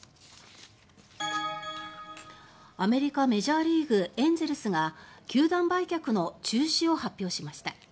アメリカ・メジャーリーグエンゼルスが球団売却の中止を発表しました。